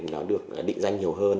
để nó được định danh nhiều hơn